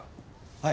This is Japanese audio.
はい。